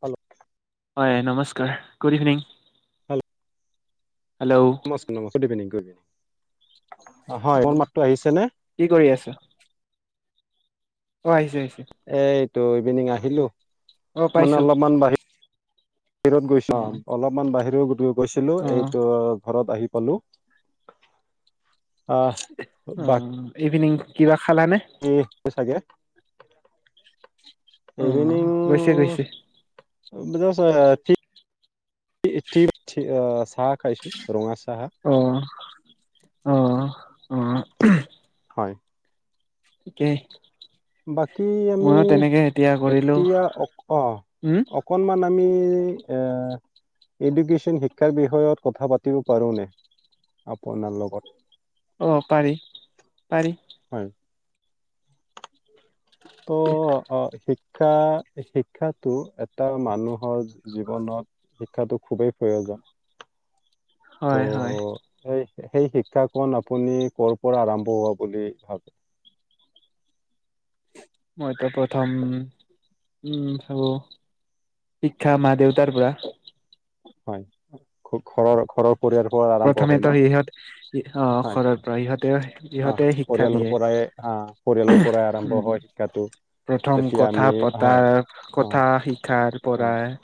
Hello! হয়, নমস্কাৰ! Good evening! Hello! Hello. [unintelligible] Evening হয় মোৰ মাতটো আহিছেনে কি কৰি আছা? অঁ আহিছো আহিছো। এইটো ইভিনিং আহিলোঁ অ' মানে পাইছো অলপমান আহিলো বাহিৰত গৈছা অ' অলপমান বাহিৰত গৈছিলো অ' এইটো। ঘৰত আহি পালো। আহ উ ইভিনিং কিবা খালানে? এইটোৱে চাগে অ' ইভিনং গৈছে গৈছে [unintelligible] চাহ খাইছো ৰঙা চাহ। অঁ অঁ অঁ, উম হয়। কেই। বাকী আমি এতিয়া কৰিলো এতিয়া অ উম অকনমান আমি এ এডুকেশ্যন শিক্ষাৰ বিষয়ত কথা পাতিব পাৰোনে? আপোনাৰ লগত। অঁ পাৰি পাৰি। হয়। তো। অঁ শিক্ষা শিক্ষাটো বহুত এটা মানুহৰ জীৱনত শিক্ষাটো খুবেই প্ৰয়োজন। হয় হয় ত' এই সেই শিক্ষাকন আপুনি কৰ পৰা আৰম্ভ হোৱা বুলি ভাবে? মইতো প্ৰথম উম ভাবো। শিক্ষা মা দেউতাৰ পৰা। হয় খুব খ খৰ পৰিয়াৰ পৰা আৰম্ভ হয় প্ৰথমেতো ন সিহঁত অ' হয় ঘৰৰ পৰা ইহঁতে অ' ইহঁতে শিক্ষা পৰিয়ালৰ দিয়ে পৰাই অঁ পৰিয়ালৰ পৰাই আৰম্ভ উম হয় শিক্ষাটো। প্ৰথম যেতিয়া কথা আমি হয় পতাৰ অ কথা শিকাৰ হয় পৰাই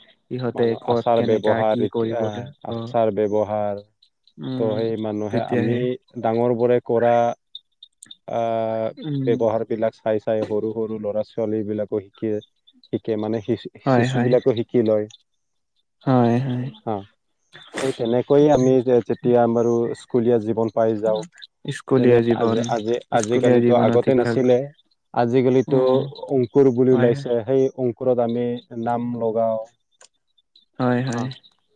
আচাৰ ব্যৱহাৰীতি কৰিবলৈ অ আচাৰ ব্যৱহাৰ ত' উম সেই মানুহে আমি তেতিয়াহে ডাঙৰ বোৰে কৰা আ উম ব্যৱহাৰ বিলাক চাই চাই সৰু সৰু ল'ৰা ছোৱালী বিলাকো শিকে শিকে মানে শিক হয় শিশু হয় বিলাকে শিকি লয়। হয়। হা সেই তেনেকৈয়ে আমি উম যেতিয়া বাৰু স্কুলীয়া জীৱন পাই যাওঁ স্কুলীয়া তেনে আজ জীৱন আজি স্কুলীয়া আজিকালিতো জীৱনত আগতে শিক্ষা নাছিলে। আজিকালিতো উম অংকুৰ বুলি হয় ওলাইছে সেই অং স্কুলত আমি নাম লগাওঁ। হয় হয়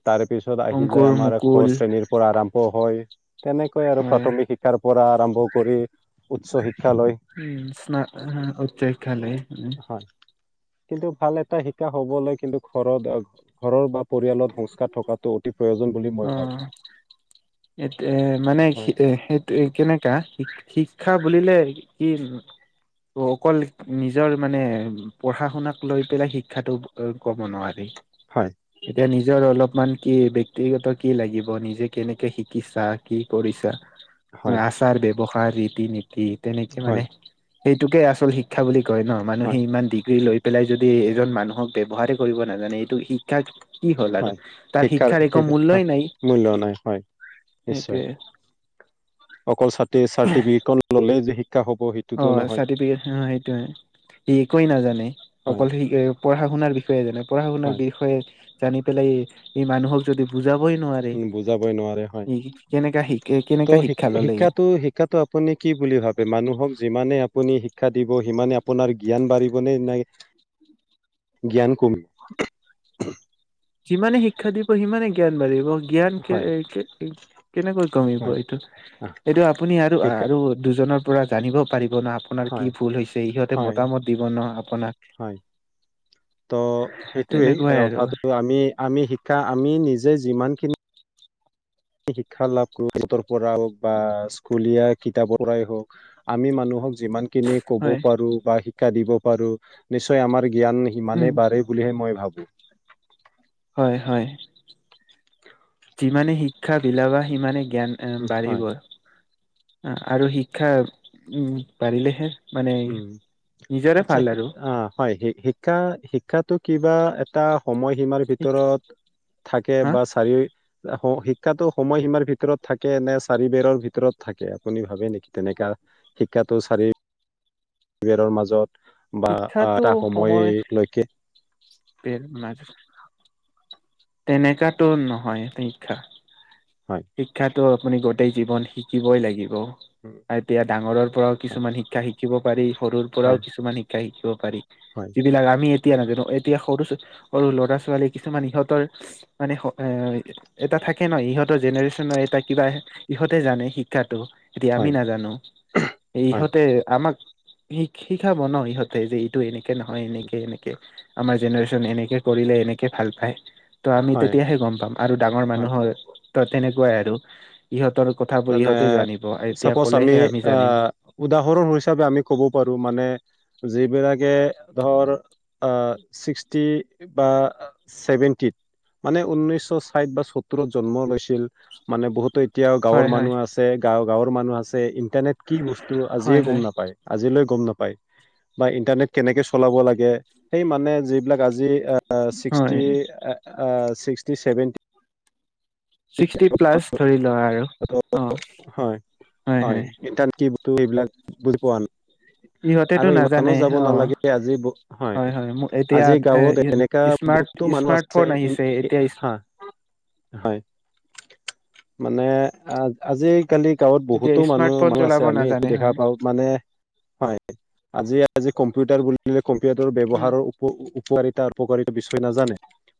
তাৰ পিছত আহি যায় অংকুৰ আমাৰ ক মুকুল শ্ৰেণীৰ পৰা আৰম্ভ হয় তেনেকৈ আৰু হয় প্ৰাথমিক শিক্ষাৰ পৰা আৰম্ভ কৰি উচ্চ শিক্ষালৈ। উম উচ্চ শিক্ষালৈ উম। হয় কিন্তু ভাল এটা শিকা হবলৈ কিন্তু ঘৰত ঘৰৰ বা পৰিয়ালত সংস্কাৰ থকাটো অতি প্ৰয়োজন। বুলি মই অ ভাবোঁ এতে মানে হয় এ সেইটো কেনেকা শি শিক্ষা বুলিলে কি অকল নিজৰ মানে পঢ়া শুনা লৈ পেলাই শিক্ষাটো ক'ব নোৱাৰি। হয়। এতিয়া নিজৰ অলপমান কি ব্য ব্যক্তিগত কি লাগিব, নিজে কেনেকে শিকিছা, কি কৰিছা হয় আচ চাৰ ব্যৱহাৰ ৰীতি নীতি তেনেকে হয় মানে সেইটোকেই আচল শিক্ শিক্ষা বুলি কয় ন' মানুহে হয় ইমান ডিগ্ৰী লৈ পেলাই যদি এজন মানুহক ব্যৱহাৰেই কৰিব নাজানে এইটো শি শিক্ষা কি হ'ল আৰু হয় তাৰ শিক্ষাৰ একো। একো সেই- হয়, মূল্যই নাই মূল্য নাই হয় নিশ্চয় সেইটোৱেই। অকল ছাত্ৰীয়ে চাৰ্টিফিকেটখন ল'লেই যে শিক্ষা হ'ব সেইট অ', চাৰ্টিফিকেট অ সেইটোৱেই সি একোৱে নাজানে হয় অকল সি পঢ়া শুনা বিষয় যেনেবা পঢ়া শুনা হয় বিষয় জানিয়ে পেলাই ই মানুহক যদি বুজাবেই নোৱাৰে উম, বুজাবই নোৱাৰে হয় সি কেনেকে শিকে তো কেনেকা শিক্ষা শিক- ললে সি শিক্ষাটো শিক্ষাটো আপুনি কি বুলি ভাবে মানুহক যিমানে আপুনি শিক্ষা দিব সিমানে আপোনাৰ জ্ঞান বাঢ়িব নে। জ্ঞান কমিব যিমানে শিক্ষা দিব সিমানে জ্ঞান বাঢ়িব। জ্ঞান কে হয় কে কেনেকৈ কমিব হয় এইটো। আহ, এইটো আপুনি আৰু শিকা আৰু দুজনৰ। পৰা জানিব পাৰিব ন আপোনাৰ হয় কি ভুল হৈছে সিহঁতে হয় মতামত দিব ন আপোনাক। হয় ত সেইটোৱে তেনেকুৱাই আৰু কথা আমি আমি শিকা আমি নিজে যিমানখিনি। শিক্ষা লাভ কৰো কিতাপৰ পৰা হওক বা স্কুলীয়া কিতাপৰ পৰাই হওক আমি মানুহক। যিমানখিনি ক'ব হয় পাৰোঁ বা শিক্ষা দিব পাৰোঁ নিশ্চয় আমাৰ জ্ঞান উম সিমানেই বাঢ়িব বুলিহে মই ভাবোঁ। হয় হয় যিমানে শিক্ষা বিলাবা সিমানে জ্ঞান। এ বাঢ়িব হয় আৰু শিক্ষা উম বাঢ়িলেহে মানে উম নিজৰে আচ্ছা ভাল আৰু আহ হয় শিক্ষা শিক্ষাটো কিবা এটা সময়সীমাৰ শিক ভিতৰত। থাকে হা বা চাৰিও। শিক্ষাটো সময়সীমাৰ ভিতৰত থাকে নে চাৰি বেৰৰ ভিতৰত থাকে, আপুনি ভাবে নেকি তেনেকা? শিক্ষাটো চাৰি বেৰৰ মাজত বা এটা সময় লৈকে। [unintelligible] তেনেকুৱা তো নহয় শিক্ষা। হয়। শিক্ষাটো আপুনি গোটেই জীৱন শিকিবই লাগিব। উম। এতিয়া ডাঙৰৰ পৰা ও কিছুমান শিক্ষা শিকিব পাৰি, সৰুৰ পৰা হয় ও কিছুমান শিক্ষা শিকিব পাৰি। হয়। যিবিলাক আমি এতিয়া নাজানো, এতিয়া সৰু সৰু ল'ৰা ছোৱালী কিছুমান ইহঁতৰ মানে এ এটা থাকে ন ইহঁত ৰ জেনেৰেশ্যন এটা কিবা, এইহঁতে জানে শিক্ষাতো। এতিয়া আমি হয় নাজানোঁ, এই হয় ইহঁতে আমাক শি শিকাব ন, ইহঁতে যে এইটো এনেকে নহয় এনেকে এনেকে। আমাৰ জেনেৰেশ্যন এনেকে কৰিলে এনেকে ভাল পায়। তো আমি হয় তেতিয়া হে গ'ম পাম। আৰু ডাঙৰ হয় মানুহৰ তেনেকুৱাই আৰু। ইহঁতৰ কথাবোৰ মানে ইহঁতে জানিব, আৰু এতিয়া চাপ'জ কলেহে আমি জানিম। আহ উদাহৰণ হিচাপে আমি ক'ব পাৰোঁ। মানে যিবিলাকে ধৰ অ' ছিক্সটি বা। ছেভেণ্টিট, মানে উন্নৈশ ছাইড বা সত্তৰত জন্ম লৈছিল মানে, বহুতৰ এতিয়া গাঁৱৰ হয় হয় মানুহ আছে, গাঁ গাঁৱৰ মানুহ আছে ইণ্টাৰনেট কি বস্তু হয় আজিয়ে হয় গ'ম নাপায়। আজিলৈ গ'ম নাপায়। বা ইন্টাৰনেট কেনেকে চলাব লাগে সেই মানে যিবিলাক আজি আ হয় ছিক্সটি অ' অ' চিক্সটি চেভেণ্টি ছিক্সটি প্লাচ ধৰি লোৱা আৰু। অ হয়, হয়। ইণ্টাৰনেট কি বস্তু এইবিলাক বুজি পোৱা নাই। ইহঁতেতো আৰু নাজানে ইমানো যাব অ নালাগে, আজি হয় আজি গাঁৱত এনে কা এ স্মাৰ্ট বহুতো মানুহ স্মাৰ্টফোন আছে আহিছে ইন এতিয়া হা'। হয়। মানে আজি কালি গাঁৱত এতিয়া বহুতো মানুহ স্মাৰ্টফোন আছে চলাব এইটো আমি নাজানে দেখা হয় পাওঁ। মানে হয়, আজি আজি কম্পিউটাৰ বুলিলে কম্পিউটাৰ উম ব্যৱহাৰৰ উপকাৰিতা উপকাৰিত বিষয় নাজানে।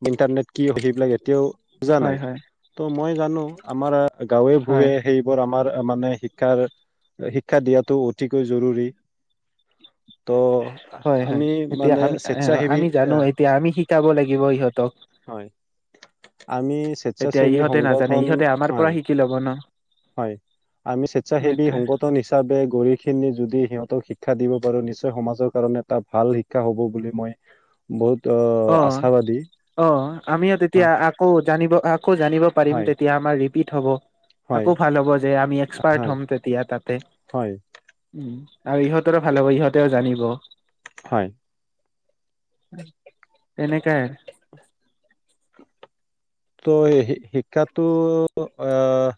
ইণ্টাৰনেট কি? সেইবিলাক এতিয়াও বুজা হয় নাই। হয় ত' মই জানো আমাৰ গাঁৱে হয় ভূঞে সেই বোৰ আমাৰ মানে শিক্ষাৰ শিক্ষা দিয়াটো অতিকৈ জৰুৰী। ত' হয় হয় আমি এতিয়া মানে আমি স্বেচ্ছাসেৱী আমি জানো আ এতিয়া আমি শিকাব লাগিব ইহঁতক হয়। আমি এতিয়া স্বেচ্ছাসেৱী ইহঁতে নাজানে সংগঠন, ইহঁতে আমাৰ পৰা হয়। শিকি ল'ব ন হয়। আমি স্বেচ্ছাসেৱী সেইটোৱে সংগঠন হিচাপে হিচাপে গৈ এই খিনি যদি সিহঁতক শিক্ষা দিব পাৰো নিশ্চয় সমাজৰ কাৰণে এটা ভাল শিক্ষা হ'ব বুলি মই বহুত অ আশাবাদী। অ' আমিও তেতিয়া হয় আকৌ জানিব আকৌ জানিব পাৰিম, হয় তেতিয়া আমাৰ ৰিপিট হ'ব। হয় আকৌ ভাল হ'ব, যে আমি হয় এক্সপাৰ্ট হ'ম তেতিয়া তাতে। হয় আৰু ইহঁতৰো ভাল হ'ব ইহঁতেও জানিব। হয়। [inaudible] এনেকাই। [inaudible] ত' হে শিক্ষাটো আহ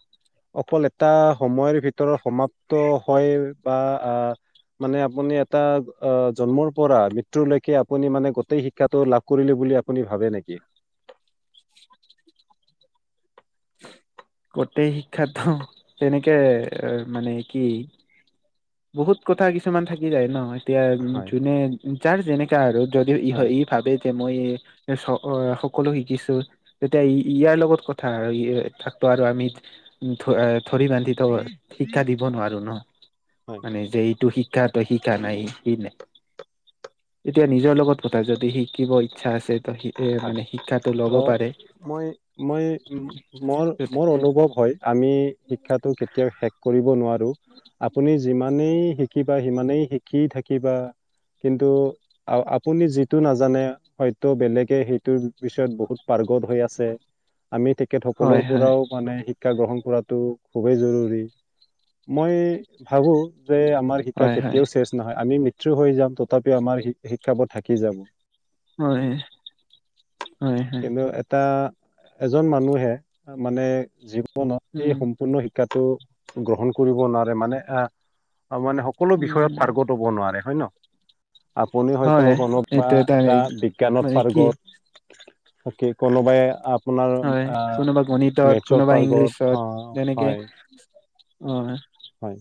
অকল এটা সময়ৰ ভিতৰত সমাপ্ত হয় বা আহ মানে আপুনি এটা অ' জন্মৰ পৰা মৃত্যু লৈকে আপুনি মানে গোটেই শিক্ষ ক্ষাটো লাভ কৰিলে বুলি আপুনি ভাবে নেকি? গোটেই শিক্ষাটো, তেনেকে মানে কি? বহুত কথা কিছুমান থাকি যায় ন, এতিয়া হয় যোনে যাৰ যেনেকা আৰু যদিও ই হয় ই। ভাবে যে, মই এ চ সকলো শিকিছো। তেতিয়া ই-ইয়াৰ লগত কথা থাকো আৰু আমি ধ-ধৰি বান্ধি ত' শিক্ষা দিব নোৱাৰো ন' হয় মানে যে এইটো শিক্ষা তই শিকা নাই সি নাই। এতিয়া নিজৰ লগত কথা যদি শিকিব ইচ্ছা আছে ত' হয় মানে শিক্ষাটো তো ল'ব পাৰে। মই মই মোৰ মোৰ অনুভৱ হয়। আমি শিক্ষাটো কেতিয়াও শেষ কৰিব নোৱাৰোঁ আপুনি যিমানেই শিকিবা সিমানেই শিকি থাকিবা। কিন্তু আ-আপুনি যিটো নাজানে হয়তো বেলেগ কে সেইটোৰ বিষয়ত বহুত পাৰ্গত হৈ আছে আমি তেখেতসকলৰ হয় হয় পৰাও মানে শিক্ষা গ্ৰহণ কৰাটো খুবেই জৰুৰী, মই ভাবো যে আমাৰ শিক্ষা হয় হয় কেতিয়াও শেষ নহয়, আমি মৃত্যু হৈ যাম তথাপিও আমাৰ শি-শিক্ষাবোৰ থাকি যাব। হয়। হয় হয় কিন্তু এটা এজন মানুহে মানে জীৱনত এই উম সম্পূৰ্ণ শিক্ষ শিক্ষটো গ্ৰহণ কৰিব নোৱাৰে মানে এ মানে সকলো বিষয়ত উম পাৰ্গত নোৱাৰে হয় ন'। আপুনি হয়তো হয় কোনোবা এইটো এটা বিজ্ঞানত মানে কি গত, তাকে কোনোবাই আপ হয়, কোনোবা গণিতত কোনোবা পাৰ্গত ইংলিছত অ, যেনেকে হয় অ'। হয়।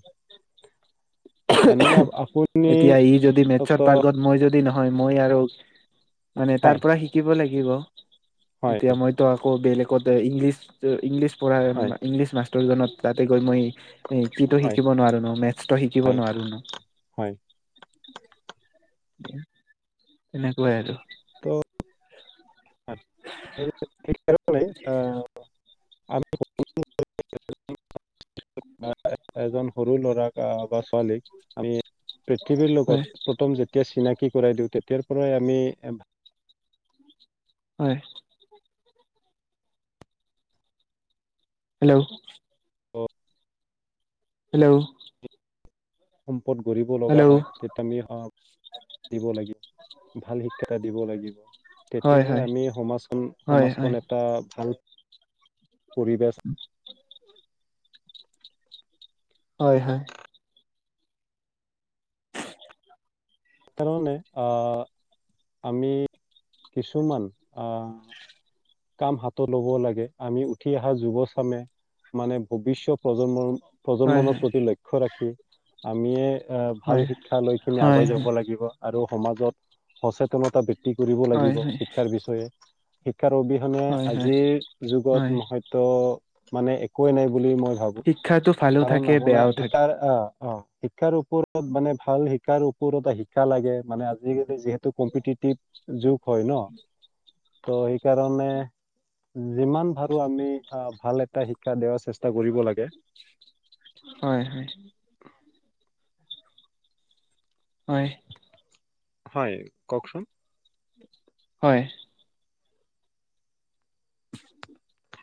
এনে এতিয়া আপুনি ই যদি মেটচত ত' পাৰ্গত মই যদি নহয় মই আৰু মানে তাৰ হয় পৰা শিকিব লাগিব। হয় এতিয়া মইতো আকৌ বেলেগত ইংলিছ ইংলিছ পঢ়াই হয় ইংলিছ মাষ্ট ত' জনত তাতে গৈ মই কিটো হয় শিকিব নোৱাৰো ন' মেটচটো শিকিব হয় নোৱাৰো ন'। [inaudible] হয় তেনেকুৱাই আৰু। ত' [unintelligible] অ'। [unintelligible] [inaudible] এজন সৰু ল'ৰাক বা ছোৱালীক আমি পৃথিৱীৰ হয় লগত প্ৰথম যেতিয়া চিনাকি কৰাই দিওঁ তেতিয়াৰ পৰাই আমি হয়। হেল্ল'। হেল্ল'। সম্পদ গঢ়িব লগা হেল্ল' হয় তে মি স দিব লাগিব ভাল শিক্ষা এটা দিব লাগিব। হয় তেতিয়াহে হয় আমি সমাজখন হয় সমাজখন হয় এটা ভাল পৰিৱেশ হয়, হয়। তাৰনে আ, আমি কিছুমান আ কাম হাতত ল'ব লাগে আমি উঠি অহা যুৱচামে মানে ভৱিষ্য প্ৰজন্মৰ হয় প্ৰজন্মনৰ হয় প্ৰতি লক্ষ্য ৰাখি আমিয়ে অ', ভাল হয় শিক্ষা লৈকিনি হয় আগুৱাই যাব হয় লাগিব আৰু সমাজত সচেতনতা বি ধি কৰিব হয় লাগিব, হয় শিক্ষাৰ বিষয়ে শিক্ষাৰ অবিহনে হয় হয় আজিৰ যুগত হয় মহ ত' মানে একোৱেই নাই বুলি মই ভাবো শিক্ষাটো ভালো কাৰণ থাকে আপোনাৰ বেয়াও থাকে শিকাৰ অ', অ', শিক্ষাৰ ওপৰত মানে ভাল শিকাৰ ওপৰত এটা শিকা লাগে মানে আজিকালি যিহেত টো কম্পিটিটিভ যুগ হয় ন' ত' সেইকাৰণে যিমান ভাৰো আমি ভাল এটা শিক্ষা দিয়াৰ চেষ্টা কৰিব লাগে। হয় হয়। হয়। হয় কওক চোন। হয়। [unintelligible]